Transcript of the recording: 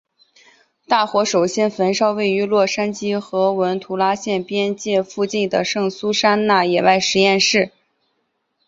大火首先焚烧位于洛杉矶和文图拉县边界附近的圣苏珊娜野外实验室。